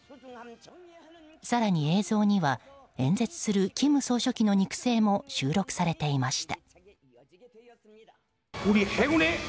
更に、映像には演説する金総書記の肉声も収録されていました。